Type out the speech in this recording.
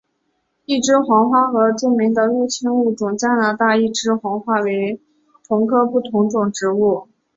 一枝黄花和著名的入侵物种加拿大一枝黄花为同科不同种植物。